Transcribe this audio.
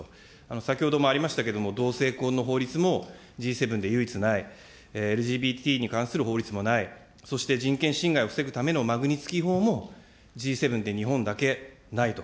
先ほどもありましたけれども、同性婚の法律もＧ７で唯一ない、ＬＧＢＴに関する法律もない、そして、人権侵害を防ぐためのマグニツキ法もＧ７で日本だけないと。